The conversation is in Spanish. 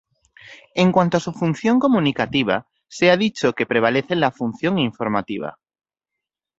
En cuanto a su función comunicativa se ha dicho que prevalece la función informativa.